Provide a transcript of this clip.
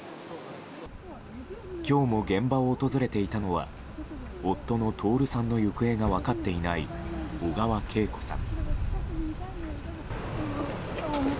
今日も現場を訪れていたのは夫の徹さんの行方が分かっていない小川けい子さん。